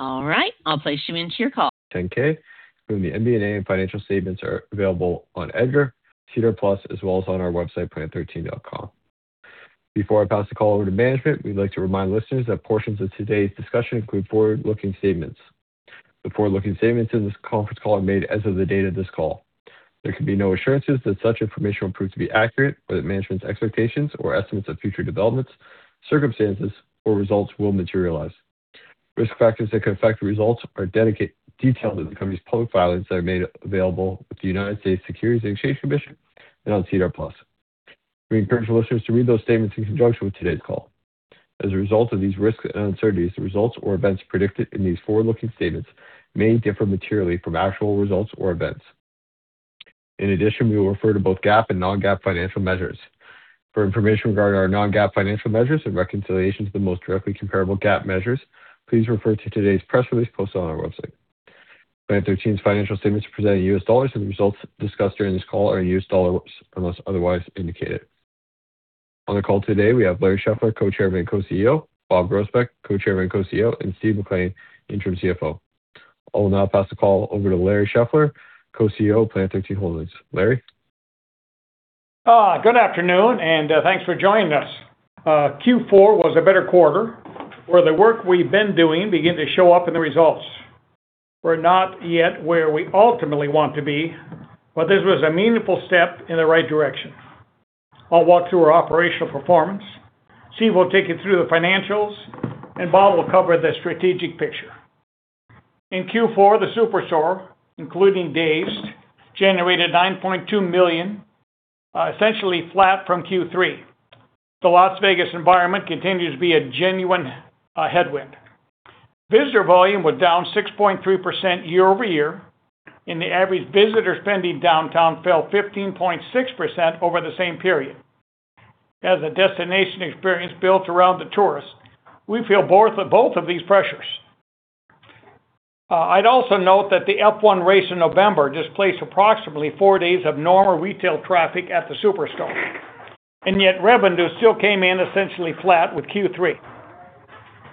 10-K, including the MD&A and financial statements are available on EDGAR, SEDAR+, as well as on our website, planet13.com. Before I pass the call over to management, we'd like to remind listeners that portions of today's discussion include forward-looking statements. The forward-looking statements in this conference call are made as of the date of this call. There can be no assurances that such information will prove to be accurate, whether management's expectations or estimates of future developments, circumstances, or results will materialize. Risk factors that can affect the results are detailed in the company's public filings that are made available with the United States Securities and Exchange Commission and on SEDAR+. We encourage listeners to read those statements in conjunction with today's call. As a result of these risks and uncertainties, the results or events predicted in these forward-looking statements may differ materially from actual results or events. In addition, we will refer to both GAAP and non-GAAP financial measures. For information regarding our non-GAAP financial measures and reconciliations to the most directly comparable GAAP measures, please refer to today's press release posted on our website. Planet 13's financial statements are presented in U.S. dollars, and the results discussed during this call are in U.S. dollars unless otherwise indicated. On the call today, we have Larry Scheffler, Co-Chairman and Co-CEO, Bob Groesbeck, Co-Chairman and Co-CEO, and Steve McLean, Interim CFO. I will now pass the call over to Larry Scheffler, Co-CEO of Planet 13 Holdings. Larry? Good afternoon, and thanks for joining us. Q4 was a better quarter, where the work we've been doing begin to show up in the results. We're not yet where we ultimately want to be, but this was a meaningful step in the right direction. I'll walk through our operational performance. Steve will take you through the financials, and Bob will cover the strategic picture. In Q4, the Superstore, including DAZED!, generated $9.2 million, essentially flat from Q3. The Las Vegas environment continues to be a genuine headwind. Visitor volume was down 6.3% year-over-year, and the average visitor spending downtown fell 15.6% over the same period. As a destination experience built around the tourists, we feel both of these pressures. I'd also note that the F1 race in November displaced approximately four days of normal retail traffic at the Superstore, and yet revenue still came in essentially flat with Q3.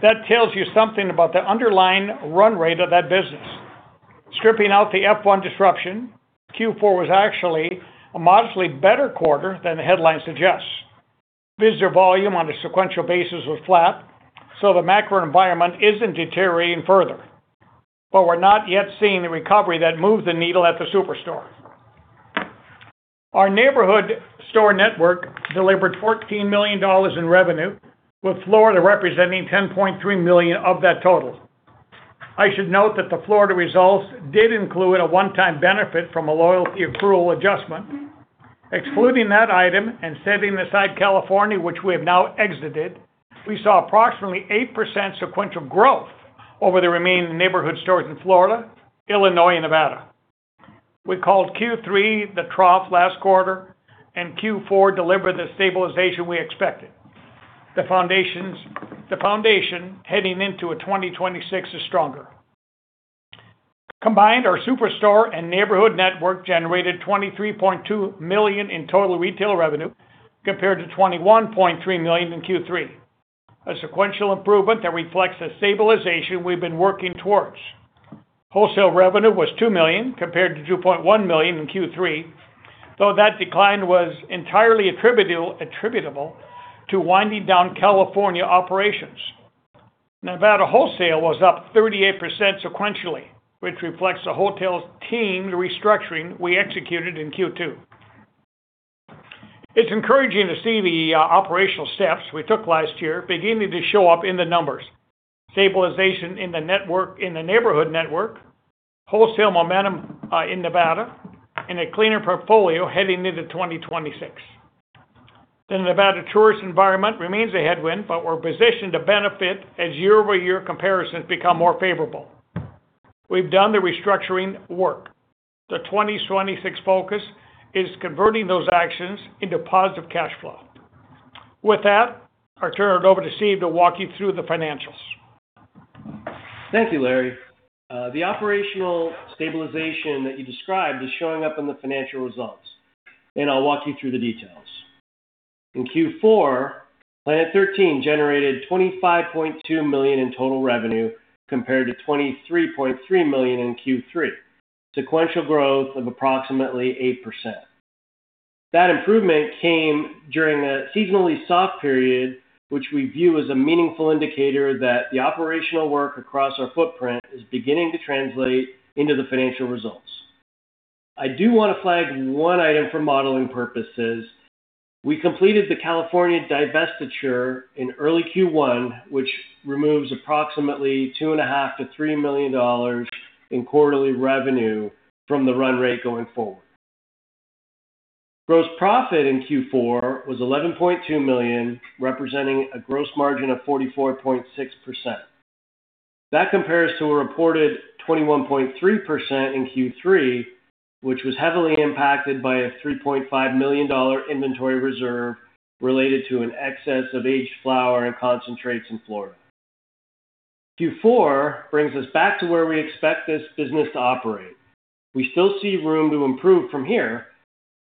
That tells you something about the underlying run rate of that business. Stripping out the F1 disruption, Q4 was actually a modestly better quarter than the headline suggests. Visitor volume on a sequential basis was flat, so the macro environment isn't deteriorating further, but we're not yet seeing the recovery that moves the needle at the Superstore. Our neighborhood store network delivered $14 million in revenue, with Florida representing $10.3 million of that total. I should note that the Florida results did include a one-time benefit from a loyalty accrual adjustment. Excluding that item and setting aside California, which we have now exited, we saw approximately 8% sequential growth over the remaining neighborhood stores in Florida, Illinois, and Nevada. We called Q3 the trough last quarter, and Q4 delivered the stabilization we expected. The foundation heading into a 2026 is stronger. Combined, our Superstore and neighborhood network generated $23.2 million in total retail revenue compared to $21.3 million in Q3. A sequential improvement that reflects the stabilization we've been working towards. Wholesale revenue was $2 million compared to $2.1 million in Q3, though that decline was entirely attributable to winding down California operations. Nevada wholesale was up 38% sequentially, which reflects the wholesale team restructuring we executed in Q2. It's encouraging to see the operational steps we took last year beginning to show up in the numbers. Stabilization in the network, in the neighborhood network, wholesale momentum in Nevada, and a cleaner portfolio heading into 2026. The Nevada tourist environment remains a headwind, but we're positioned to benefit as year-over-year comparisons become more favorable. We've done the restructuring work. The 2026 focus is converting those actions into positive cash flow. With that, I'll turn it over to Steve to walk you through the financials. Thank you, Larry. The operational stabilization that you described is showing up in the financial results, and I'll walk you through the details. In Q4, Planet 13 generated $25.2 million in total revenue compared to $23.3 million in Q3. Sequential growth of approximately 8%. That improvement came during a seasonally soft period, which we view as a meaningful indicator that the operational work across our footprint is beginning to translate into the financial results. I do wanna flag one item for modeling purposes. We completed the California divestiture in early Q1, which removes approximately $2.5 million-$3 million in quarterly revenue from the run rate going forward. Gross profit in Q4 was $11.2 million, representing a gross margin of 44.6%. That compares to a reported 21.3% in Q3, which was heavily impacted by a $3.5 million inventory reserve related to an excess of aged flower and concentrates in Florida. Q4 brings us back to where we expect this business to operate. We still see room to improve from here.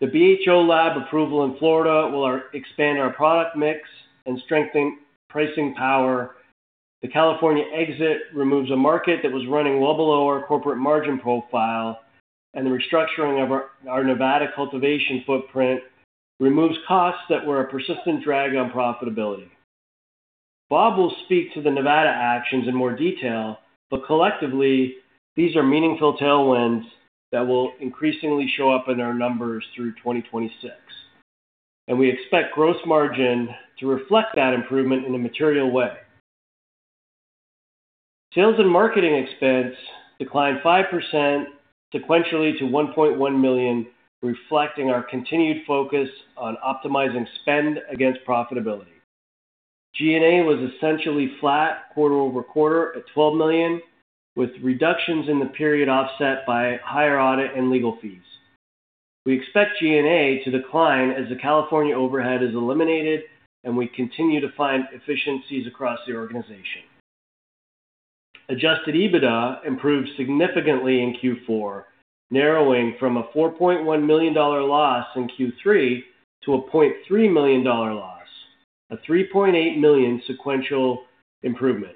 The BHO lab approval in Florida will expand our product mix and strengthen pricing power. The California exit removes a market that was running well below our corporate margin profile, and the restructuring of our Nevada cultivation footprint removes costs that were a persistent drag on profitability. Bob will speak to the Nevada actions in more detail, but collectively, these are meaningful tailwinds that will increasingly show up in our numbers through 2026, and we expect gross margin to reflect that improvement in a material way. Sales and marketing expense declined 5% sequentially to $1.1 million, reflecting our continued focus on optimizing spend against profitability. G&A was essentially flat quarter-over-quarter at $12 million, with reductions in the period offset by higher audit and legal fees. We expect G&A to decline as the California overhead is eliminated, and we continue to find efficiencies across the organization. Adjusted EBITDA improved significantly in Q4, narrowing from a $4.1 million loss in Q3 to a $0.3 million loss, a $3.8 million sequential improvement.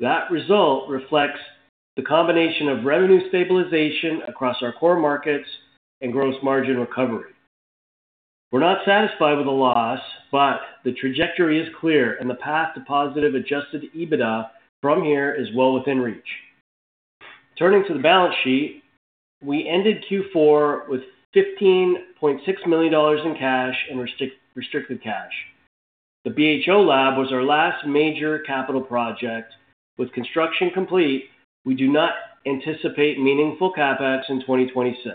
That result reflects the combination of revenue stabilization across our core markets and gross margin recovery. We're not satisfied with the loss, but the trajectory is clear and the path to positive adjusted EBITDA from here is well within reach. Turning to the balance sheet, we ended Q4 with $15.6 million in cash and restricted cash. The BHO lab was our last major capital project. With construction complete, we do not anticipate meaningful CapEx in 2026.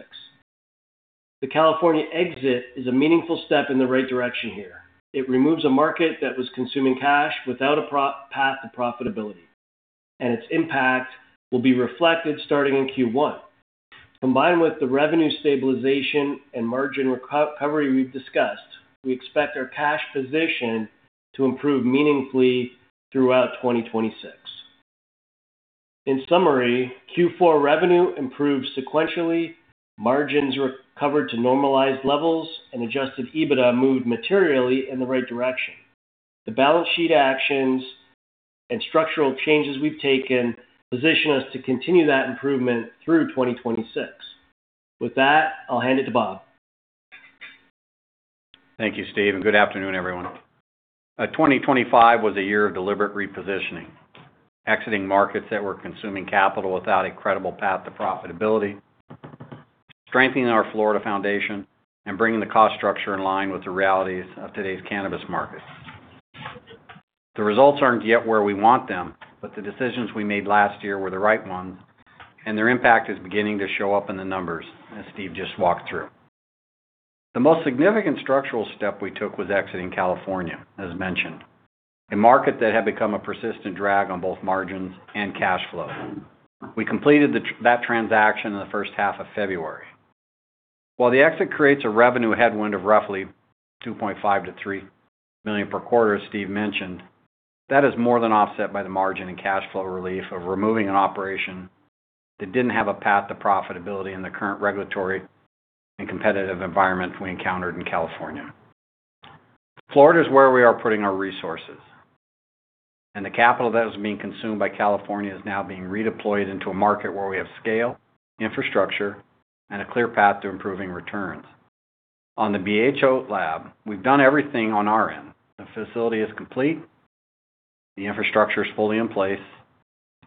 The California exit is a meaningful step in the right direction here. It removes a market that was consuming cash without a path to profitability, and its impact will be reflected starting in Q1. Combined with the revenue stabilization and margin recovery we've discussed, we expect our cash position to improve meaningfully throughout 2026. In summary, Q4 revenue improved sequentially, margins recovered to normalized levels, and adjusted EBITDA moved materially in the right direction. The balance sheet actions and structural changes we've taken position us to continue that improvement through 2026. With that, I'll hand it to Bob. Thank you, Steve, and good afternoon, everyone. 2025 was a year of deliberate repositioning, exiting markets that were consuming capital without a credible path to profitability, strengthening our Florida foundation, and bringing the cost structure in line with the realities of today's cannabis markets. The results aren't yet where we want them, but the decisions we made last year were the right ones, and their impact is beginning to show up in the numbers as Steve just walked through. The most significant structural step we took was exiting California, as mentioned, a market that had become a persistent drag on both margins and cash flow. We completed that transaction in the first half of February. While the exit creates a revenue headwind of roughly $2.5 million-$3 million per quarter, as Steve mentioned, that is more than offset by the margin and cash flow relief of removing an operation that didn't have a path to profitability in the current regulatory and competitive environment we encountered in California. Florida is where we are putting our resources, and the capital that was being consumed by California is now being redeployed into a market where we have scale, infrastructure, and a clear path to improving returns. On the BHO lab, we've done everything on our end. The facility is complete, the infrastructure is fully in place,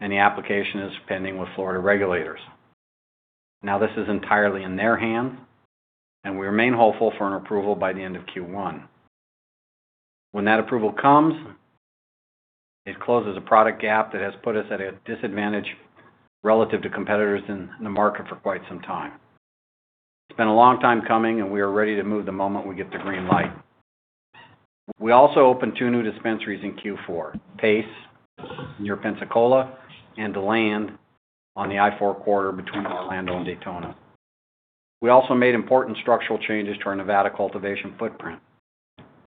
and the application is pending with Florida regulators. Now, this is entirely in their hands, and we remain hopeful for an approval by the end of Q1. When that approval comes, it closes a product gap that has put us at a disadvantage relative to competitors in the market for quite some time. It's been a long time coming, and we are ready to move the moment we get the green light. We also opened two new dispensaries in Q4, Pace near Pensacola and DeLand on the I-4 corridor between Orlando and Daytona. We also made important structural changes to our Nevada cultivation footprint.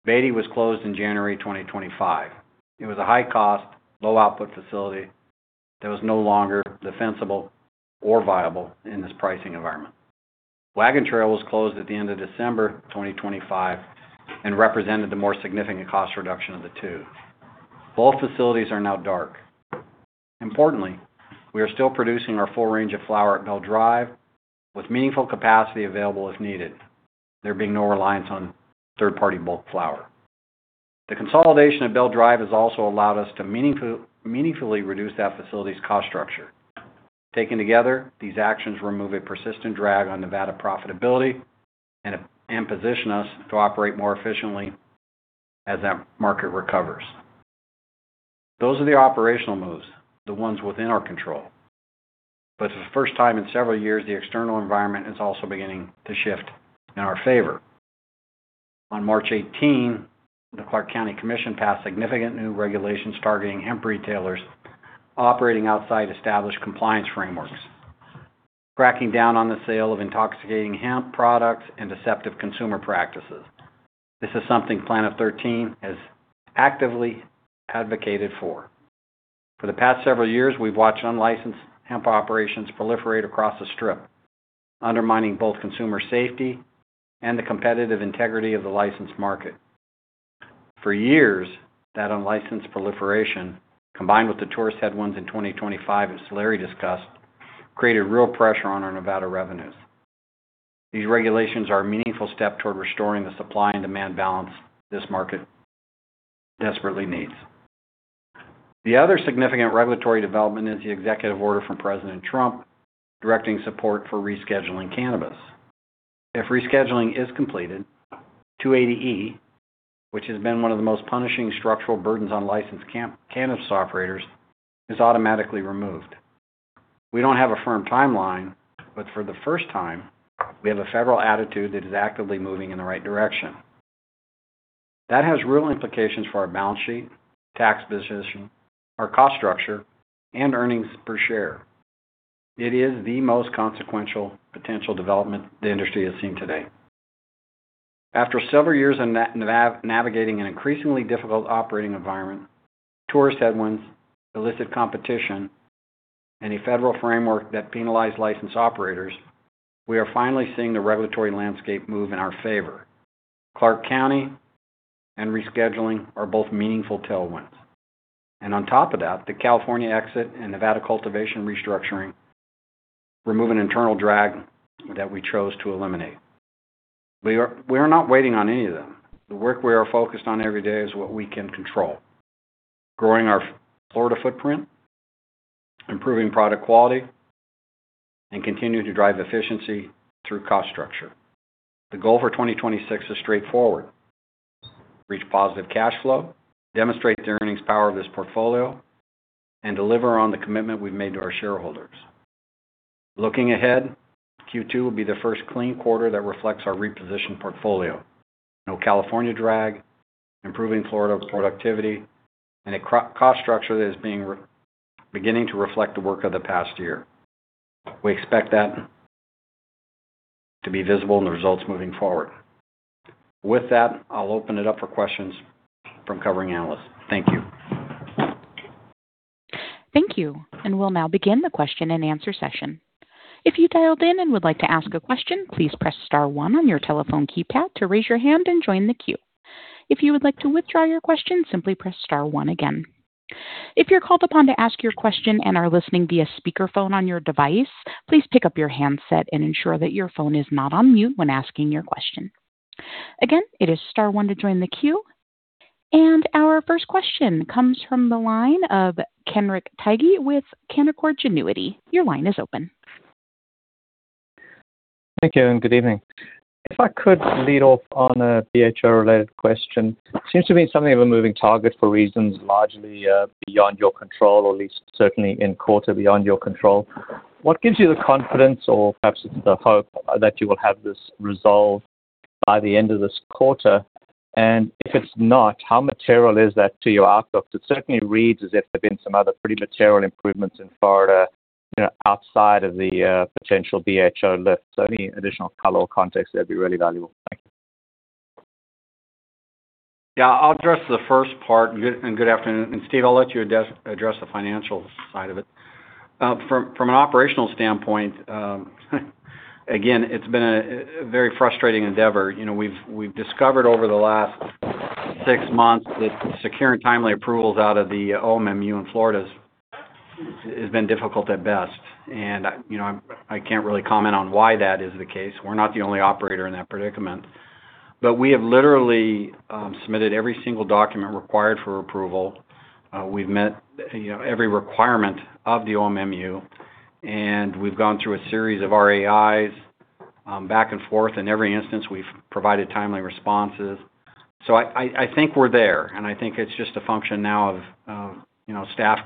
Beatty was closed in January 2025. It was a high-cost, low-output facility that was no longer defensible or viable in this pricing environment. Wagon Trail was closed at the end of December 2025 and represented the more significant cost reduction of the two. Both facilities are now dark. Importantly, we are still producing our full range of flower at Bell Drive with meaningful capacity available as needed, there being no reliance on third-party bulk flower. The consolidation of Bell Drive has also allowed us to meaningfully reduce that facility's cost structure. Taken together, these actions remove a persistent drag on Nevada profitability and position us to operate more efficiently as that market recovers. Those are the operational moves, the ones within our control. For the first time in several years, the external environment is also beginning to shift in our favor. On March 18, the Clark County Commission passed significant new regulations targeting hemp retailers operating outside established compliance frameworks, cracking down on the sale of intoxicating hemp products and deceptive consumer practices. This is something Planet 13 has actively advocated for. For the past several years, we've watched unlicensed hemp operations proliferate across the strip, undermining both consumer safety and the competitive integrity of the licensed market. For years, that unlicensed proliferation, combined with the tourist headwinds in 2025 as Larry discussed, created real pressure on our Nevada revenues. These regulations are a meaningful step toward restoring the supply and demand balance this market desperately needs. The other significant regulatory development is the executive order from President Trump directing support for rescheduling cannabis. If rescheduling is completed, 280E, which has been one of the most punishing structural burdens on licensed cannabis operators, is automatically removed. We don't have a firm timeline, but for the first time, we have a federal attitude that is actively moving in the right direction. That has real implications for our balance sheet, tax position, our cost structure, and earnings per share. It is the most consequential potential development the industry has seen today. After several years of navigating an increasingly difficult operating environment, tourist headwinds, illicit competition, and a federal framework that penalize licensed operators, we are finally seeing the regulatory landscape move in our favor. Clark County and rescheduling are both meaningful tailwinds. On top of that, the California exit and Nevada cultivation restructuring remove an internal drag that we chose to eliminate. We're not waiting on any of them. The work we are focused on every day is what we can control, growing our Florida footprint, improving product quality, and continuing to drive efficiency through cost structure. The goal for 2026 is straightforward, reach positive cash flow, demonstrate the earnings power of this portfolio, and deliver on the commitment we've made to our shareholders. Looking ahead, Q2 will be the first clean quarter that reflects our repositioned portfolio. No California drag, improving Florida productivity, and a low-cost structure that is beginning to reflect the work of the past year. We expect that to be visible in the results moving forward. With that, I'll open it up for questions from covering analysts. Thank you. Thank you. We'll now begin the question-and-answer session. If you dialed in and would like to ask a question, please press star one on your telephone keypad to raise your hand and join the queue. If you would like to withdraw your question, simply press star one again. If you're called upon to ask your question and are listening via speakerphone on your device, please pick up your handset and ensure that your phone is not on mute when asking your question. Again, it is star one to join the queue. Our first question comes from the line of Kenric Tyghe with Canaccord Genuity. Your line is open. Thank you, and good evening. If I could lead off on a BHO-related question. Seems to be something of a moving target, for reasons largely beyond your control, or at least certainly this quarter beyond your control. What gives you the confidence or perhaps the hope that you will have this resolved by the end of this quarter? If it's not, how material is that to your outlook? It certainly reads as if there have been some other pretty material improvements in Florida, you know, outside of the potential BHO lift. Any additional color or context, that'd be really valuable. Thank you. Yeah, I'll address the first part. Good afternoon. Steve, I'll let you address the financial side of it. From an operational standpoint, again, it's been a very frustrating endeavor. You know, we've discovered over the last six months that securing timely approvals out of the OMMU in Florida has been difficult at best. You know, I can't really comment on why that is the case. We're not the only operator in that predicament. We have literally submitted every single document required for approval. We've met, you know, every requirement of the OMMU, and we've gone through a series of RAIs back and forth. In every instance, we've provided timely responses. I think we're there, and I think it's just a function now of you know staff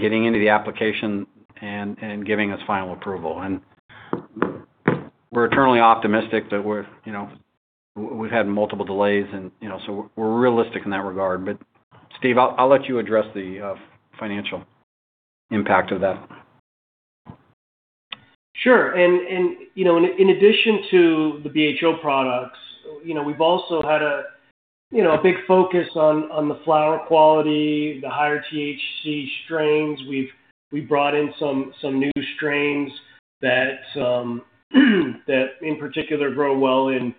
getting into the application and giving us final approval. We're eternally optimistic, but you know we've had multiple delays and you know so we're realistic in that regard. Steve, I'll let you address the financial impact of that. Sure. In addition to the BHO products, you know, we've also had a big focus on the flower quality, the higher THC strains. We've brought in some new strains that in particular grow well in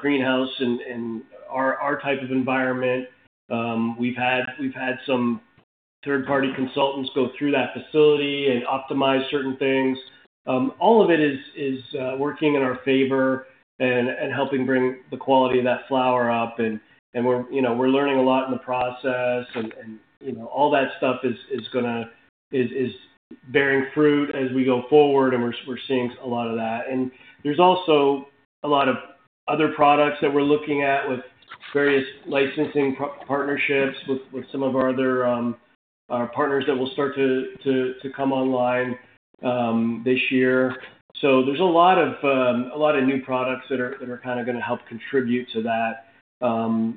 greenhouse and our type of environment. We've had some third-party consultants go through that facility and optimize certain things. All of it is working in our favor and helping bring the quality of that flower up. We're, you know, learning a lot in the process and you know all that stuff is gonna, is bearing fruit as we go forward, and we're seeing a lot of that. There's also a lot of other products that we're looking at with various licensing partnerships with some of our other partners that will start to come online this year. There's a lot of new products that are kind of gonna help contribute to that.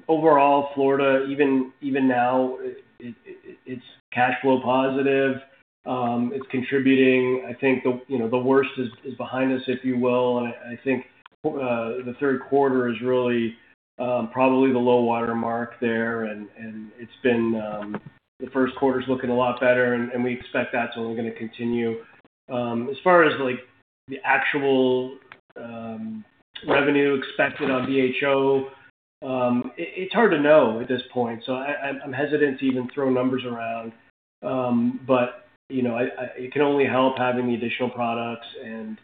Overall, Florida even now it's cash flow positive. It's contributing. I think the, you know, the worst is behind us, if you will. I think the third quarter is really probably the low water mark there. It's been the first quarter's looking a lot better, and we expect that's only gonna continue. As far as, like, the actual revenue expected on BHO, it's hard to know at this point, so I'm hesitant to even throw numbers around. You know, it can only help having the additional products and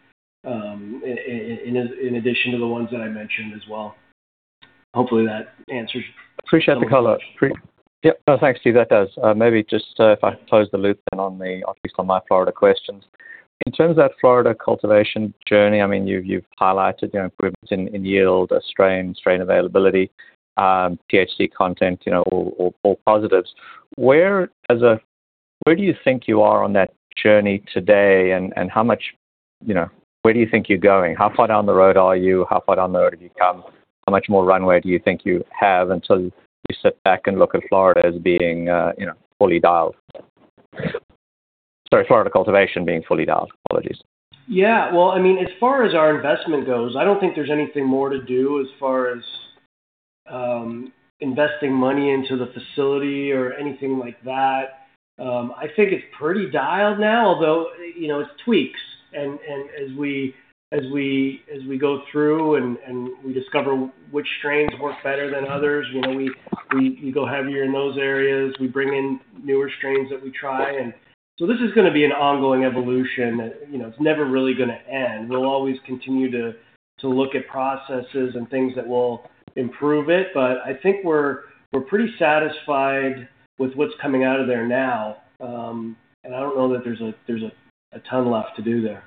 in addition to the ones that I mentioned as well. Hopefully that answers Appreciate the color. No, thanks, Steve. That does. Maybe just, if I close the loop then on the, at least on my Florida questions. In terms of that Florida cultivation journey, I mean, you've highlighted, you know, improvements in yield, strain availability, THC content, you know, all positives. Where do you think you are on that journey today, and how much, you know, where do you think you're going? How far down the road are you? How far down the road have you come? How much more runway do you think you have until you sit back and look at Florida as being fully dialed? Sorry, Florida cultivation being fully dialed. Apologies. Yeah. Well, I mean, as far as our investment goes, I don't think there's anything more to do as far as investing money into the facility or anything like that. I think it's pretty dialed now, although, you know, it tweaks. As we go through and we discover which strains work better than others, you know, we go heavier in those areas. We bring in newer strains that we try. This is gonna be an ongoing evolution. You know, it's never really gonna end. We'll always continue to look at processes and things that will improve it. I think we're pretty satisfied with what's coming out of there now. I don't know that there's a ton left to do there.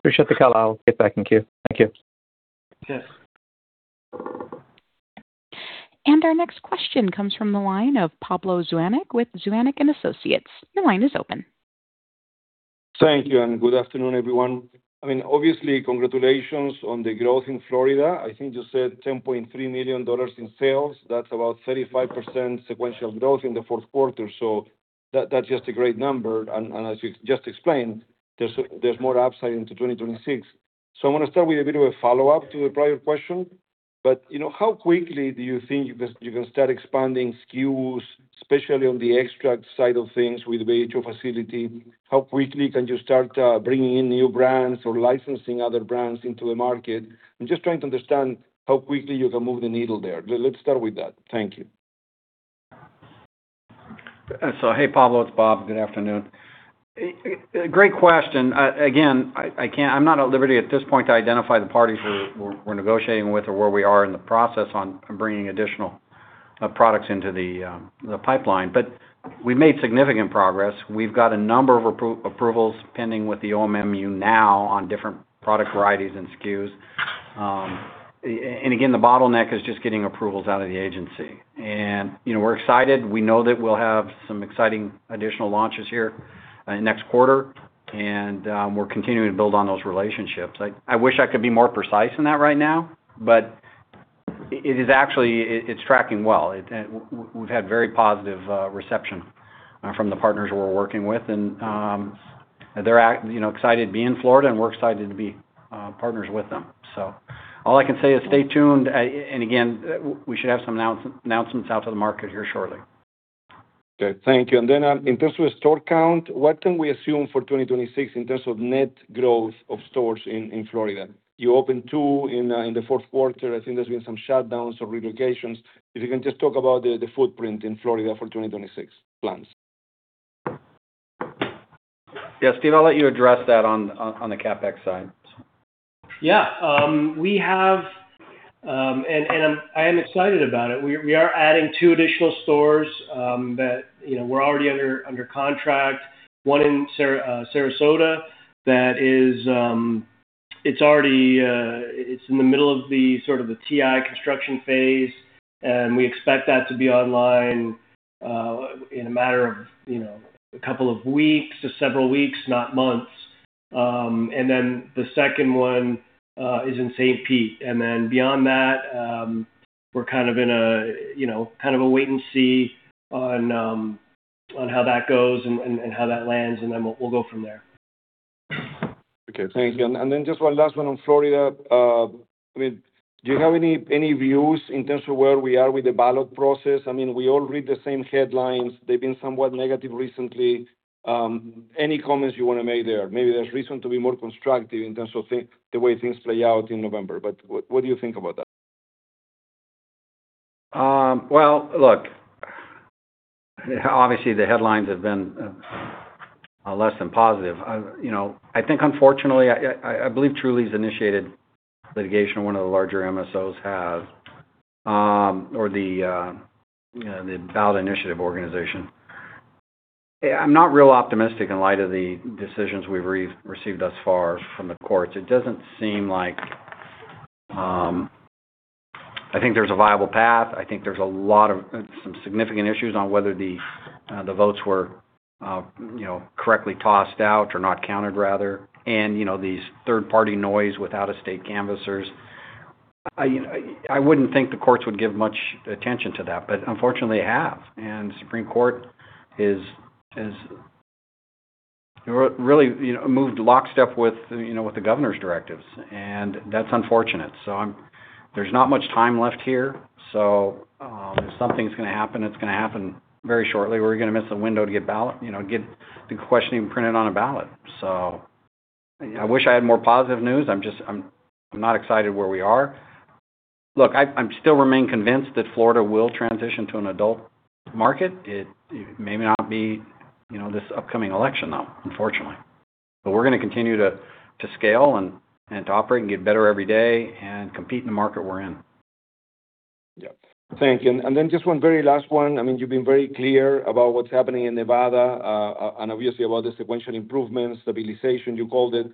Appreciate the color. I'll get back in queue. Thank you. Yes. Our next question comes from the line of Pablo Zuanic with Zuanic & Associates. Your line is open. Thank you, and good afternoon, everyone. I mean, obviously, congratulations on the growth in Florida. I think you said $10.3 million in sales. That's about 35% sequential growth in the fourth quarter. That, that's just a great number. As you just explained, there's more upside into 2026. I wanna start with a bit of a follow-up to the prior question. You know, how quickly do you think you can start expanding SKUs, especially on the extract side of things with the BHO facility? How quickly can you start bringing in new brands or licensing other brands into the market? I'm just trying to understand how quickly you can move the needle there. Let's start with that. Thank you. Hey, Pablo. It's Bob. Good afternoon. Great question. Again, I can't. I'm not at liberty at this point to identify the parties we're negotiating with or where we are in the process on bringing additional products into the pipeline. But we made significant progress. We've got a number of approvals pending with the OMMU now on different product varieties and SKUs. And again, the bottleneck is just getting approvals out of the agency. You know, we're excited. We know that we'll have some exciting additional launches here next quarter, and we're continuing to build on those relationships. I wish I could be more precise in that right now, but it is actually, it's tracking well. We've had very positive reception from the partners we're working with. They're, you know, excited to be in Florida, and we're excited to be partners with them. All I can say is stay tuned. And again, we should have some announcements out to the market here shortly. Okay. Thank you. Then, in terms of store count, what can we assume for 2026 in terms of net growth of stores in Florida? You opened two in the fourth quarter. I think there's been some shutdowns or relocations. If you can just talk about the footprint in Florida for 2026 plans. Yeah. Steve, I'll let you address that on the CapEx side. I'm excited about it. We are adding two additional stores that, you know, we're already under contract. One in Sarasota that is already in the middle of sort of the TI construction phase, and we expect that to be online in a matter of, you know, a couple of weeks to several weeks, not months. The second one is in St. Pete. Beyond that, we're kind of in a wait and see on how that goes and how that lands, and then we'll go from there. Okay. Thank you. Just one last one on Florida. I mean, do you have any views in terms of where we are with the ballot process? I mean, we all read the same headlines. They've been somewhat negative recently. Any comments you wanna make there? Maybe there's reason to be more constructive in terms of the way things play out in November, but what do you think about that? Well, look, obviously the headlines have been less than positive. I think unfortunately, I believe Trulieve initiated litigation, one of the larger MSOs has, or the ballot initiative organization. I'm not real optimistic in light of the decisions we've received thus far from the courts. It doesn't seem like I think there's a viable path. I think there's a lot of some significant issues on whether the votes were correctly tossed out or not counted rather. You know, these third-party noise with out-of-state canvassers. I wouldn't think the courts would give much attention to that, but unfortunately, they have. Supreme Court is really moved lockstep with the governor's directives, and that's unfortunate. There's not much time left here. If something's gonna happen, it's gonna happen very shortly. We're gonna miss a window to get ballot, you know, get the question even printed on a ballot. I wish I had more positive news. I'm just not excited where we are. Look, I still remain convinced that Florida will transition to an adult market. It may not be, you know, this upcoming election, though, unfortunately. We're gonna continue to scale and to operate and get better every day and compete in the market we're in. Thank you. Just one very last one. I mean, you've been very clear about what's happening in Nevada and obviously about the sequential improvements, stabilization, you called it.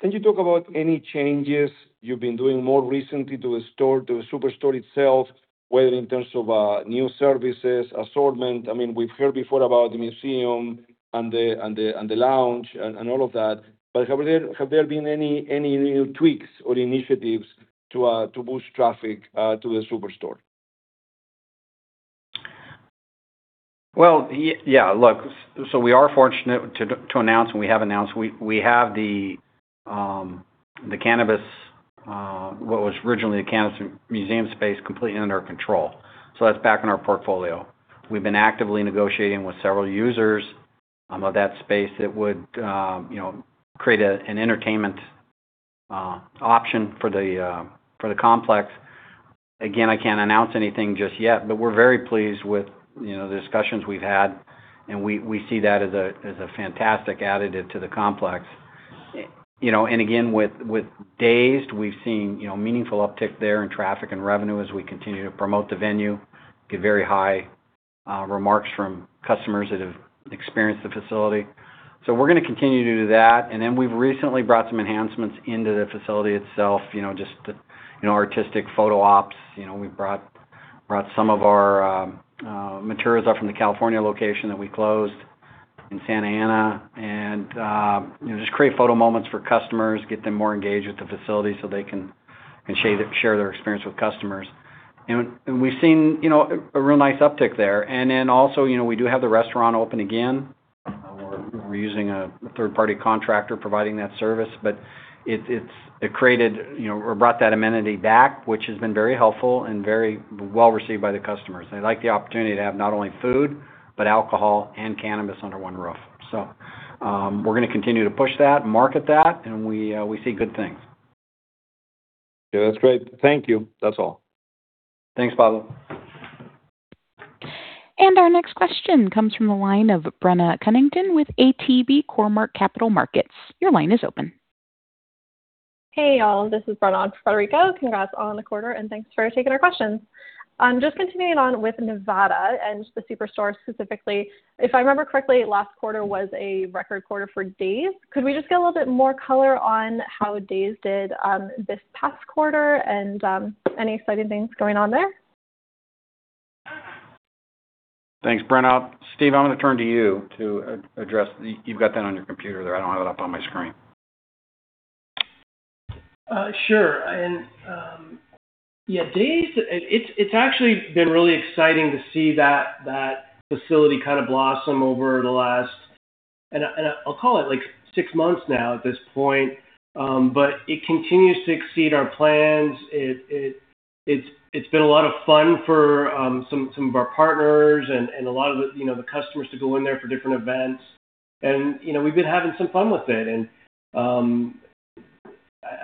Can you talk about any changes you've been doing more recently to the store, to the Superstore itself, whether in terms of new services, assortment? I mean, we've heard before about the museum and the lounge and all of that. Have there been any new tweaks or initiatives to boost traffic to the Superstore? Yeah, look, we are fortunate to announce, and we have announced, we have the cannabis what was originally the cannabis museum space completely under our control. That's back in our portfolio. We've been actively negotiating with several users of that space that would you know, create an entertainment option for the complex. Again, I can't announce anything just yet, but we're very pleased with you know, the discussions we've had, and we see that as a fantastic addition to the complex. You know, again, with DAZED!, we've seen you know, meaningful uptick there in traffic and revenue as we continue to promote the venue. We get very high remarks from customers that have experienced the facility. We're gonna continue to do that. We've recently brought some enhancements into the facility itself, you know, just to, you know, artistic photo ops. You know, we've brought some of our materials up from the California location that we closed in Santa Ana and, you know, just create photo moments for customers, get them more engaged with the facility so they can share their experience with customers. We've seen, you know, a real nice uptick there. You know, we do have the restaurant open again. We're using a third-party contractor providing that service. It's created, you know, or brought that amenity back, which has been very helpful and very well received by the customers. They like the opportunity to have not only food, but alcohol and cannabis under one roof. We're gonna continue to push that, market that, and we see good things. Yeah, that's great. Thank you. That's all. Thanks, Pablo. Our next question comes from the line of Brenna Cunnington with ATB Capital Markets. Your line is open. Hey, y'all. This is Brenna on Federico. Congrats on the quarter, and thanks for taking our questions. Just continuing on with Nevada and the Superstore specifically. If I remember correctly, last quarter was a record quarter for DAZED!. Could we just get a little bit more color on how DAZED! did this past quarter and any exciting things going on there? Thanks, Brenna. Steve, I'm gonna turn to you to address you. You've got that on your computer there. I don't have it up on my screen. Sure. Yeah, DAZED!, it's actually been really exciting to see that facility kind of blossom over the last six months now at this point. It continues to exceed our plans. It's been a lot of fun for some of our partners and a lot of, you know, the customers to go in there for different events. You know, we've been having some fun with it.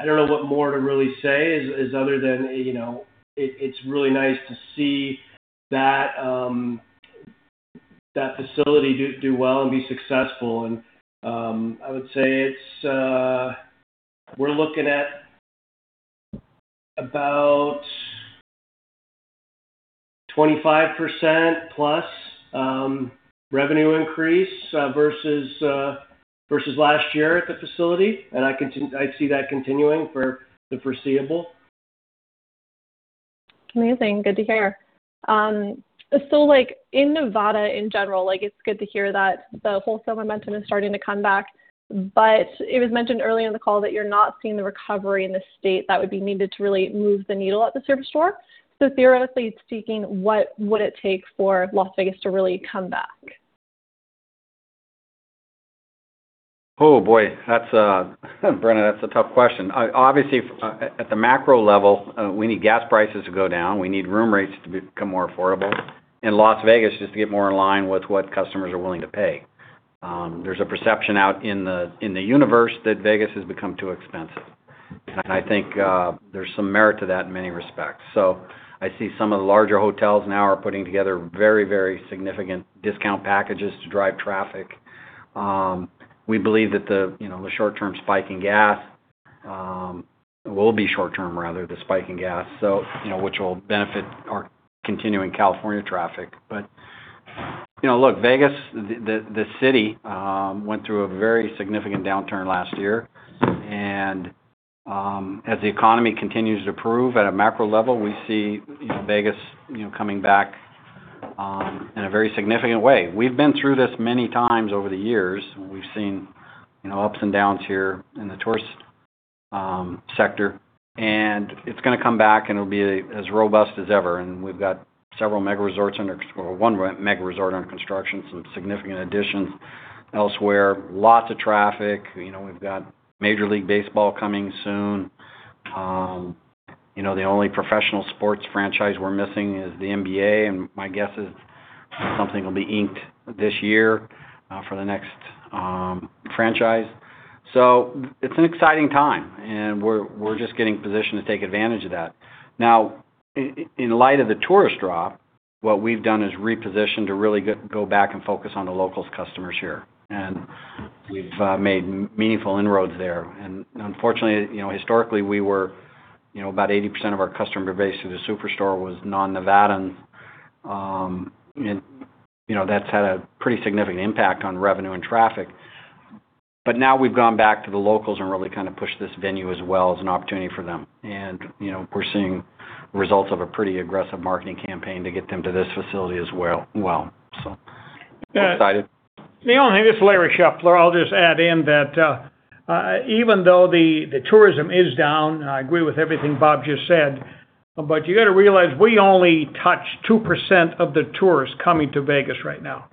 I don't know what more to really say other than, you know, it's really nice to see that facility do well and be successful. I would say it's we're looking at about 25%+ revenue increase versus last year at the facility, and I see that continuing for the foreseeable. Amazing. Good to hear. Like, in Nevada in general, like, it's good to hear that the wholesale momentum is starting to come back. But it was mentioned early in the call that you're not seeing the recovery in the state that would be needed to really move the needle at the Superstore. Theoretically speaking, what would it take for Las Vegas to really come back? Oh, boy. That's, Brenna, that's a tough question. Obviously, at the macro level, we need gas prices to go down. We need room rates to become more affordable. In Las Vegas, just to get more in line with what customers are willing to pay. There's a perception out in the universe that Vegas has become too expensive. I think, there's some merit to that in many respects. I see some of the larger hotels now are putting together very, very significant discount packages to drive traffic. We believe that, you know, the short-term spike in gas will be short term, rather, the spike in gas. You know, which will benefit our continuing California traffic. You know, look, Vegas, the city went through a very significant downturn last year. As the economy continues to improve at a macro level, we see, you know, Vegas, you know, coming back in a very significant way. We've been through this many times over the years, and we've seen, you know, ups and downs here in the tourist sector. It's gonna come back, and it'll be as robust as ever. We've got several mega resorts under construction, or one really mega resort under construction, some significant additions elsewhere. Lots of traffic. You know, we've got Major League Baseball coming soon. You know, the only professional sports franchise we're missing is the NBA, and my guess is something will be inked this year for the next franchise. It's an exciting time, and we're just getting positioned to take advantage of that. Now, in light of the tourist drop, what we've done is reposition to really go back and focus on the local customers here. We've made meaningful inroads there. Unfortunately, you know, historically, we were, you know, about 80% of our customer base through the Superstore was non-Nevadans. You know, that's had a pretty significant impact on revenue and traffic. Now we've gone back to the locals and really kind of pushed this venue as well as an opportunity for them. You know, we're seeing results of a pretty aggressive marketing campaign to get them to this facility as well. Excited. Hey, this is Larry Scheffler. I'll just add in that even though the tourism is down, I agree with everything Bob just said, but you gotta realize we only touch 2% of the tourists coming to Vegas right now.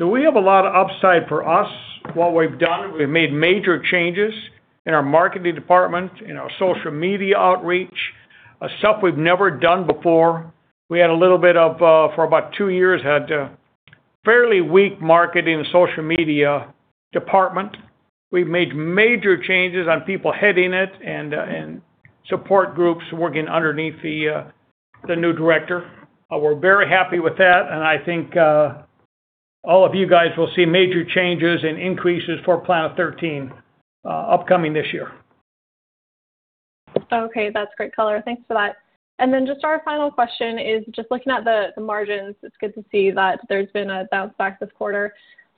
We have a lot of upside for us. What we've done, we've made major changes in our marketing department, in our social media outreach, stuff we've never done before. We had a little bit of, for about two years, had a fairly weak marketing social media department. We've made major changes on people heading it and support groups working underneath the new director. We're very happy with that, and I think all of you guys will see major changes and increases for Planet 13 upcoming this year. Okay, that's great color. Thanks for that. Then just our final question is just looking at the margins, it's good to see that there's been a bounce back this quarter.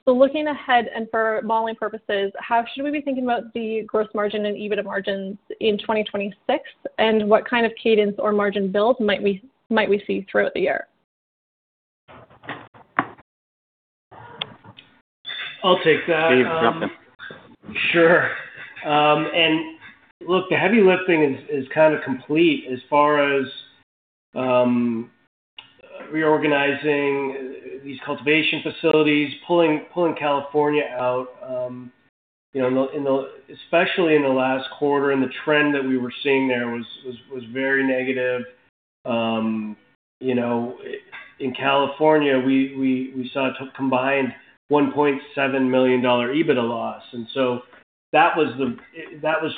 Looking ahead and for modeling purposes, how should we be thinking about the gross margin and EBITDA margins in 2026? What kind of cadence or margin build might we see throughout the year? I'll take that. Dave, you can jump in. Sure. Look, the heavy lifting is kind of complete as far as reorganizing these cultivation facilities, pulling California out, you know, especially in the last quarter, and the trend that we were seeing there was very negative. You know, in California, we saw a total combined $1.7 million EBITDA loss, and so that was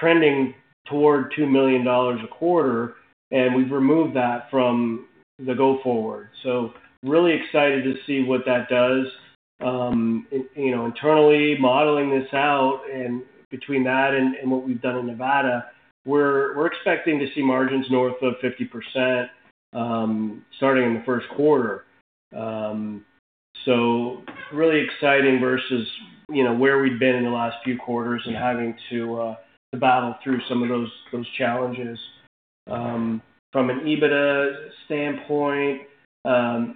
trending toward $2 million a quarter, and we've removed that from the go forward. Really excited to see what that does. You know, internally modeling this out and between that and what we've done in Nevada, we're expecting to see margins north of 50%, starting in the first quarter. Really exciting versus, you know, where we've been in the last few quarters and having to to battle through some of those challenges. From an EBITDA standpoint,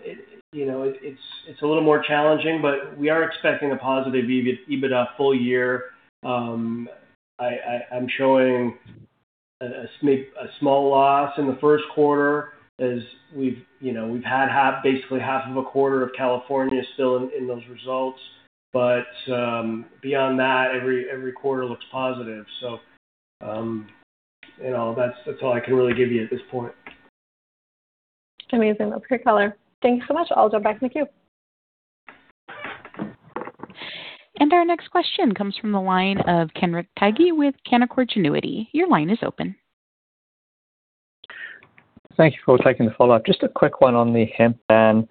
it you know it's a little more challenging, but we are expecting a positive EBITDA full year. I'm showing a small loss in the first quarter as we've you know we've had half, basically half of a quarter of California still in those results. Beyond that, every quarter looks positive. You know, that's all I can really give you at this point. Amazing. Great color. Thank you so much. I'll jump back in the queue. Our next question comes from the line of Kenric Tyghe with Canaccord Genuity. Your line is open. Thank you for taking the follow-up. Just a quick one on the hemp ban.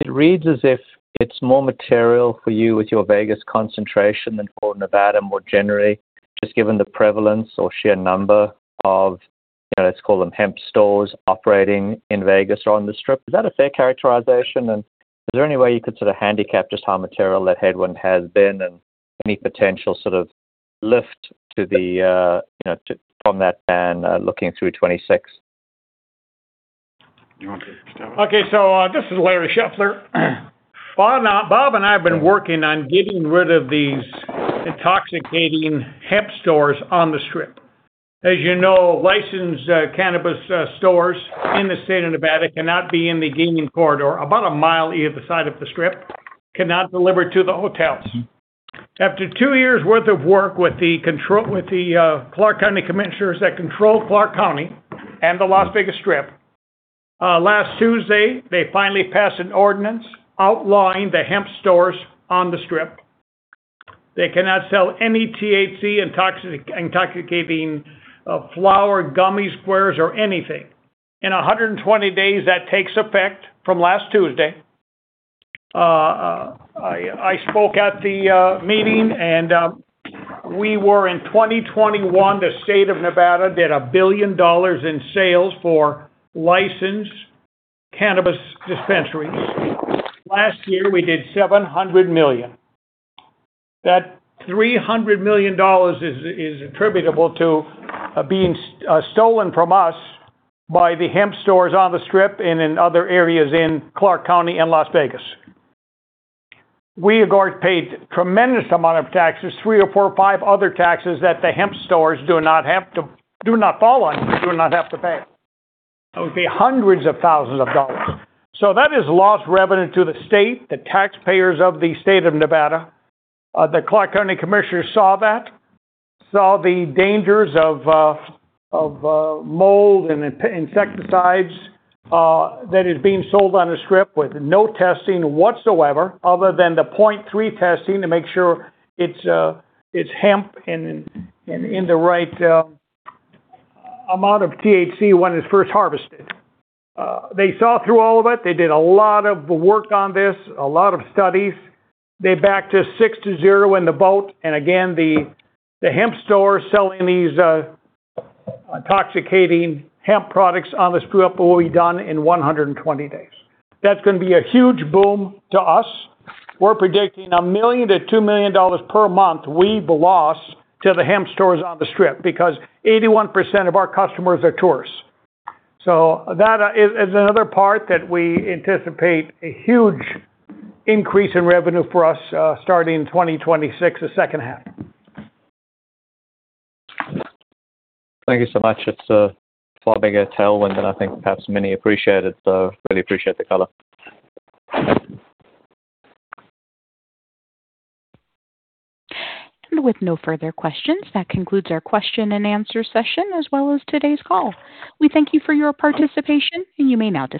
It reads as if it's more material for you with your Vegas concentration than for Nevada more generally, just given the prevalence or sheer number of, you know, let's call them hemp stores operating in Vegas or on the Strip. Is that a fair characterization? And is there any way you could sort of handicap just how material that headwind has been and any potential sort of lift to the, you know, to, from that ban, looking through 2026? You want to take that one? Okay. This is Larry Scheffler. Bob and I have been working on getting rid of these intoxicating hemp stores on the Strip. As you know, licensed cannabis stores in the state of Nevada cannot be in the gaming corridor. About a mile either side of the Strip cannot deliver to the hotels. After two years worth of work with the Clark County Commission that controls Clark County and the Las Vegas Strip, last Tuesday, they finally passed an ordinance outlawing the hemp stores on the Strip. They cannot sell any THC-intoxicating flower, gummy squares or anything. In 120 days, that takes effect from last Tuesday. I spoke at the meeting and we were in 2021, the state of Nevada did $1 billion in sales for licensed cannabis dispensaries. Last year, we did $700 million. That $300 million is attributable to being stolen from us by the hemp stores on the Strip and in other areas in Clark County and Las Vegas. We have got paid tremendous amount of taxes, three or four, five other taxes that the hemp stores do not have to pay. That would be hundreds of thousands of dollars. That is lost revenue to the state, the taxpayers of the state of Nevada. The Clark County commissioners saw the dangers of mold and insecticides that is being sold on the Strip with no testing whatsoever other than the 0.3% testing to make sure it's hemp and in the right amount of THC when it's first harvested. They saw through all of it. They did a lot of work on this, a lot of studies. They backed us six-zero in the vote. Again, the hemp store selling these intoxicating hemp products on the Strip will be done in 120 days. That's gonna be a huge boom to us. We're predicting $1 million-$2 million per month we've lost to the hemp stores on the Strip because 81% of our customers are tourists. That is another part that we anticipate a huge increase in revenue for us, starting 2026, the second half. Thank you so much. It's a far bigger tailwind than I think perhaps many appreciated. Really appreciate the color. With no further questions, that concludes our question and answer session as well as today's call. We thank you for your participation, and you may now disconnect.